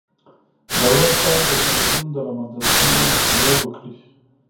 دولت باید د ځنګلونو د له منځه تللو مخنیوی وکړي.